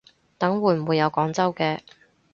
等會唔會有廣州嘅